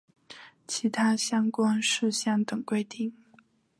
其他相关事项等规定